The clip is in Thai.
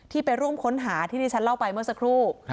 ไปร่วมค้นหาที่ที่ฉันเล่าไปเมื่อสักครู่